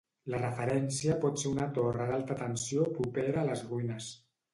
La referència pot ser una torre d'alta tensió propera a les ruïnes.